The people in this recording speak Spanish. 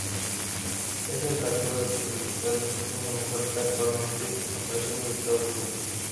Es el reactor experimental de potencia más alta actualmente en operación en Estados Unidos.